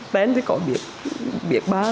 bén chứ có biết